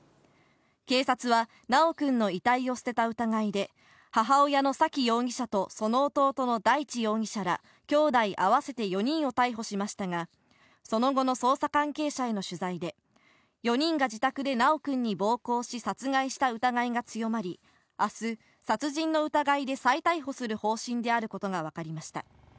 警察は修くんの遺体を捨てた疑いで、母親の沙喜容疑者とその弟の大地容疑者ら、きょうだい合わせて４人を逮捕しましたが、その後の捜査関係者への取材で、４人が自宅で修くんに暴行し、殺害した疑いが強まり、あす、殺人の疑いで再逮捕する方針であることが分かりました。